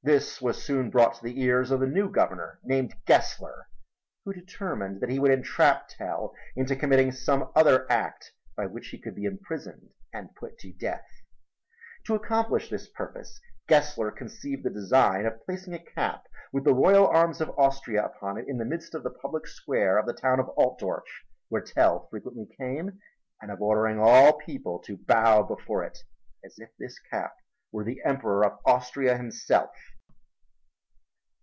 This was soon brought to the ears of the new Governor named Gessler who determined that he would entrap Tell into committing some other act by which he could be imprisoned and put to death. To accomplish this purpose Gessler conceived the design of placing a cap with the royal arms of Austria upon it in the midst of the public square of the town of Altdorf, where Tell frequently came, and of ordering all people to bow before it as if this cap were the Emperor of Austria himself.